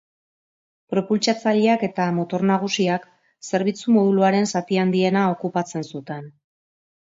Propultsatzaileak eta motor nagusiak zerbitzu-moduluaren zati handiena okupatzen zuten.